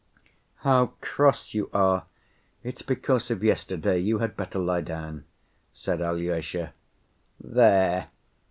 "How cross you are! It's because of yesterday; you had better lie down," said Alyosha. "There!